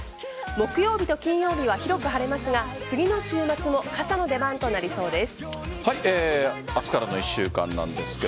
木曜日と金曜日は広く晴れますが次の週末も傘の出番となりそうです。